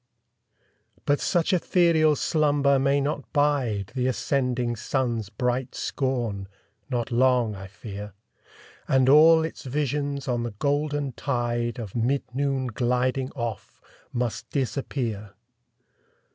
But such ethereal slumber may not bide The ascending sun's bright scorn not long, I fear; And all its visions on the golden tide Of mid noon gliding off, must disappear.